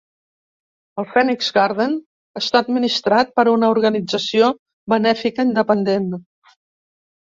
El Phoenix Garden està administrat per una organització benèfica independent.